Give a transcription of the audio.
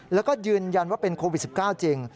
แล้วก็ยืนยันว่าเป็นโควิด๑๙จริง